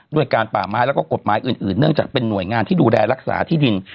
ด้วยการป่าไม้แล้วก็กฎหมายอื่นเนื่องจากเป็นหน่วยงานที่ดูแลรักษาที่ดิน